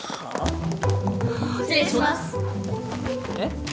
えっ？